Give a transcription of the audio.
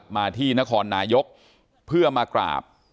มาที่นครนายกเพื่อมากราบ